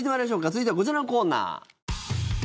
続いてはこちらのコーナー。